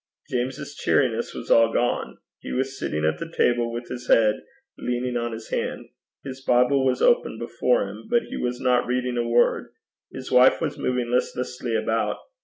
James's cheeriness was all gone. He was sitting at the table with his head leaning on his hand. His Bible was open before him, but he was not reading a word. His wife was moving listlessly about.